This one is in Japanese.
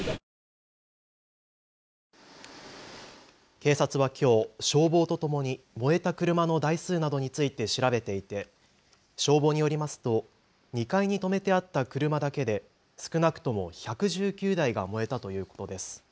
警察はきょう消防とともに燃えた車の台数などについて調べていて消防によりますと２階に止めてあった車だけで少なくとも１１９台が燃えたということです。